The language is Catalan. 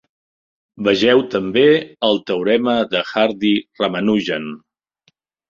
Vegeu també el teorema de Hardy-Ramanujan.